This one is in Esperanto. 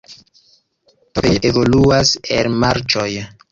Torfejoj evoluas el marĉoj.